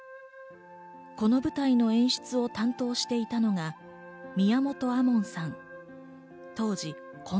この舞台の演出を担当していたのが宮本亜門さん。